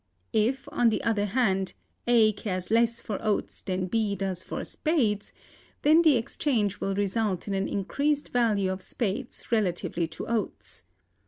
If, on the other hand, A cares less for oats than B does for spades, then the exchange will result in an increased value of spades relatively to oats.